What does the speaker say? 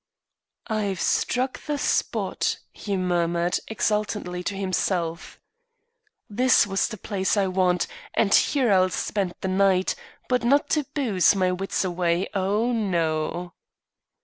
"I've struck the spot," he murmured, exultantly to himself. "This is the place I want and here I'll spend the night; but not to booze my wits away, oh, no."